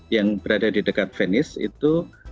yang berada di dekat venis itu